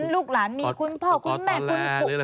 ลูกหลานมีคุณพ่อคุณแม่คุณ